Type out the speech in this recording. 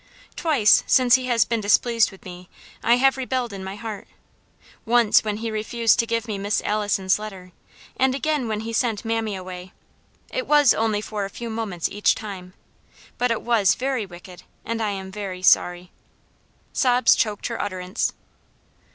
Twice, since he has been displeased with me, I have rebelled in my heart once when he refused to give me Miss Allison's letter, and again when he sent mammy away; it was only for a few moments each time; but it was very wicked, and I am very sorry." Sobs choked her utterance.